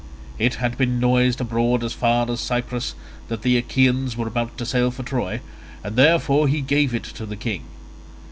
It had been noised abroad as far as Cyprus that the Achaeans were about to sail for Troy, and therefore he gave it to the king.